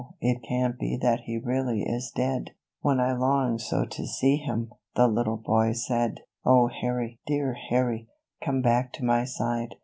it can't he that he really is dead, When I longed so to see him!" the little hoy said. " 0, Harry ! dear Harry ! come hack to my side."